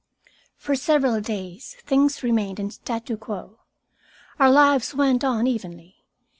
IV For several days things remained in statu quo. Our lives went on evenly.